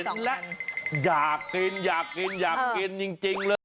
กินแล้วอยากกินอยากกินอยากกินจริงเลย